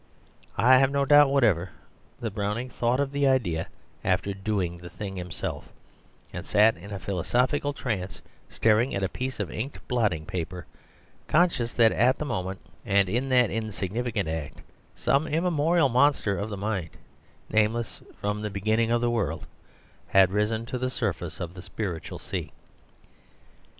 I have no doubt whatever that Browning thought of the idea after doing the thing himself, and sat in a philosophical trance staring at a piece of inked blotting paper, conscious that at that moment, and in that insignificant act, some immemorial monster of the mind, nameless from the beginning of the world, had risen to the surface of the spiritual sea.